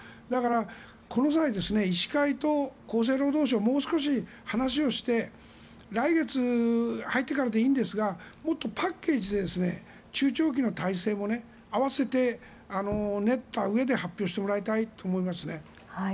だからこの際医師会と厚生労働省もう少し話をして来月に入ってからでいいんですがもっとパッケージで中長期の体制を併せて、練ったうえで発表してもらいたいと思います。